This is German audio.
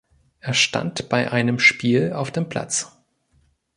Er stand bei einem Spiel auf dem Platz.